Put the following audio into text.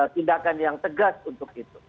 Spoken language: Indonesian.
tindakan yang tegas untuk itu